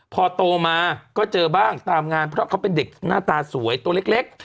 พอโตมาก็เจอบ้างตามงานเพราะเขาเป็นเด็กหน้าตาสวยตัวเล็ก